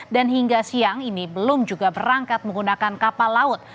dan hingga siang ini belum juga berangkat menggunakan kapal laut